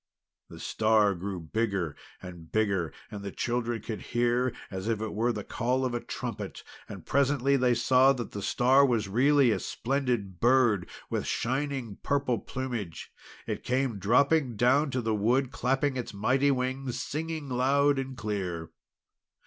The star grew bigger and bigger, and the children could hear, as if it were, the call of a trumpet; and presently they saw that the star was really a splendid bird with shining purple plumage. It came dropping down to the wood, clapping its mighty wings, and singing loud and clear.